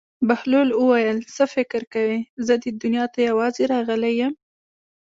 بهلول وویل: څه فکر کوې زه دې دنیا ته یوازې راغلی یم.